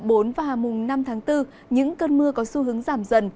sáng ngày mùng bốn và mùng năm tháng bốn những cơn mưa có xu hướng giảm dần